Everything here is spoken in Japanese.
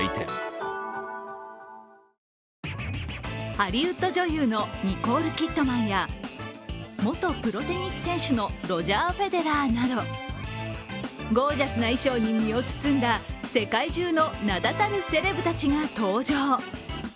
ハリウッド女優のニコール・キッドマンや元プロテニス選手のロジャー・フェデラーなど、ゴージャスな衣装に身を包んだ世界中の名だたるセレブたちが登場。